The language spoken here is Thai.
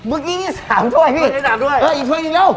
เมื่อกี้มี๓ถ้วยพี่เห็นไหมไอ้ถ้วยนึงเร็ว